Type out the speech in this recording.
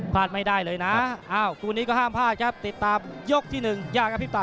พลาดไม่ได้เลยนะคู่นี้ก็ห้ามพลาดครับติดตามยกที่๑ยากครับพี่ป่า